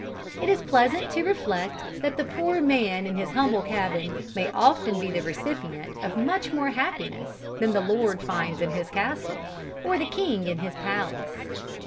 It is pleasant to reflect, that the poor man in his humble cabin may often be the recipient of much more happiness than the lord finds in his castle, or the king in his palace.